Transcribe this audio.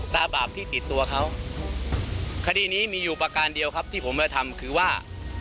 ตาบาปที่ติดตัวเขาคดีนี้มีอยู่ประการเดียวครับที่ผมจะทำคือว่า